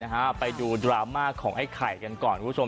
อ๋อตัวล่ะครับไปดูดรามาของไอ้ไข่กันก่อนคุณผู้ชม